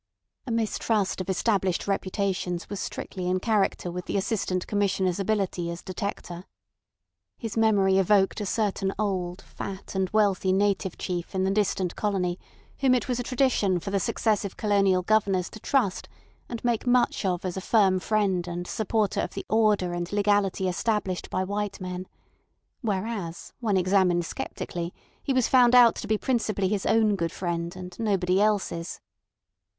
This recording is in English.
A mistrust of established reputations was strictly in character with the Assistant Commissioner's ability as detector. His memory evoked a certain old fat and wealthy native chief in the distant colony whom it was a tradition for the successive Colonial Governors to trust and make much of as a firm friend and supporter of the order and legality established by white men; whereas, when examined sceptically, he was found out to be principally his own good friend, and nobody else's.